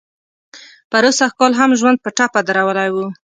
پروسږ کال هم ژوند په ټپه درولی و.